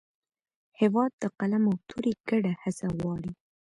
هېواد د قلم او تورې ګډه هڅه غواړي.